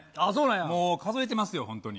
もう数えてますよ、本当に。